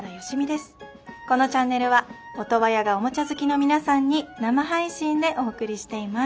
このチャンネルはオトワヤがおもちゃ好きの皆さんに生配信でお送りしています。